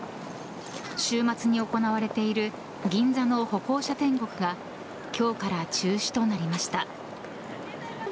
週末に行われている銀座の歩行者天国が今日から中止となりました。